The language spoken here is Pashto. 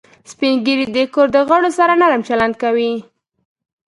سپین ږیری د کور د غړو سره نرم چلند کوي